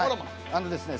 あのですね